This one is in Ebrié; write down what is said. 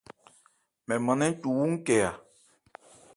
Mɛn man nɛ̂n cu wú nkɛ a.